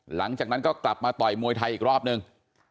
หลังจากนั้นก็กลับมาต่อยมวยไทยอีกรอบนึง